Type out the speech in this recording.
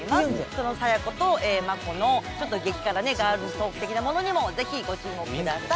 その佐弥子と眞子のちょっと激辛ガールズトーク的なものにもぜひご注目ください